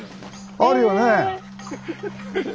あるよね！